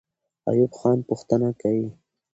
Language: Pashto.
ایوب خان پوښتنه کوي.